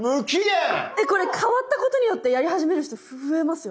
これ変わったことによってやり始める人増えますよね？